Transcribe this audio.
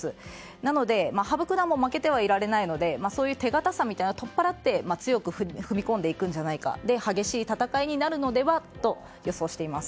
なので、羽生九段も負けてはいられないのでそういう手堅さを取っ払って強く踏み込んでいくのではないか激しい戦いになるのではと予想しています。